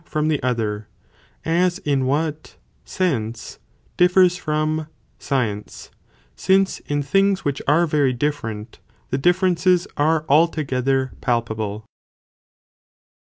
from the other, as in what, sense, differs from, science, since in things which are very different, the differences are altogether palpable.